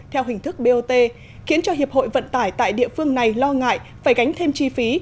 theo hình thức bot khiến cho hiệp hội vận tải tại địa phương này lo ngại phải gánh thêm chi phí